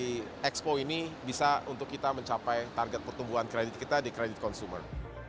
dari expo ini bisa untuk kita mencapai target pertumbuhan kredit kita di kredit konsumen